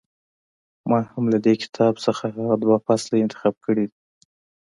ما هم له دې کتاب څخه هغه دوه فصله انتخاب کړي دي.